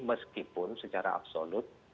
meskipun secara absolut